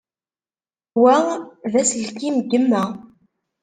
Wa d aselkim n yemma.